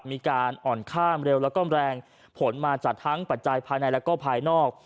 ได้มีการอ่อนข้ามเร็วแล้วแรงผลมาจากทั้งภาคใจภายในและภายนอก